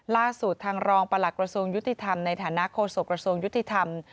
ล่าสุดทางรองประหลักกระทรวงยุติธรรมในฐานะโฆษกระทรวงยุติธรรม